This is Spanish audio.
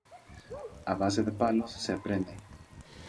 A base de palos, se aprende